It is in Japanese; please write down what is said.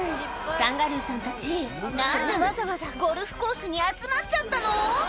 カンガルーさんたち、なんでわざわざゴルフコースに集まっちゃったの。